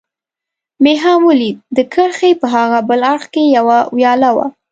مې هم ولید، د کرښې په هاغه بل اړخ کې یوه ویاله وه.